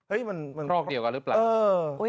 เฮ้ยมันครอกเดียวกันหรือเปล่าอืมอืม